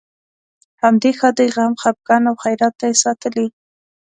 همدې ښادۍ، غم، خپګان او خیرات ته یې ساتلې.